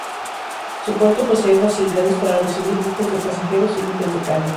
Su puerto posee facilidades para recibir buques de pasajeros y buques de carga.